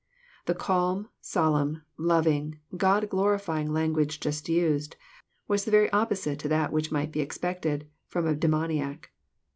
The calm, solemn, loving, God glorifying language just used, was the very opposite to that which might be expected firom a demoniac.